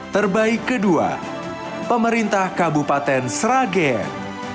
terbaik kedua pemerintah kabupaten sragen